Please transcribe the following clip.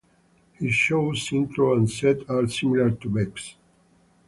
His show's intro and set are similar to Beck's.